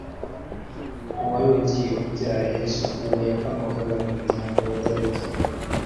uwari ugiye kubyara Yesu. Uwo yakomokaga mu muryango wa Dawidi,